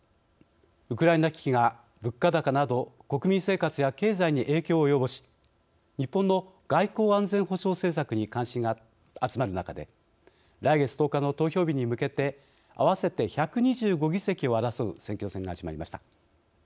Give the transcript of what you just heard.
ウクライナ危機が物価高など国民生活や経済に影響を及ぼし日本の外交・安全保障政策に関心が集まる中で来月１０日の投票日に向けて合わせて１２５議席を争う選挙戦が始まりました。